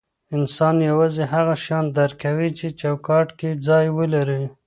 انسان یوازې هغه شیان درک کوي چې چوکاټ کې ځای ولري.